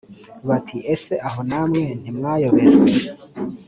bati ese aho namwe ntimwayobejwe